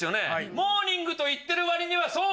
モーニングと言ってるわりにはそう！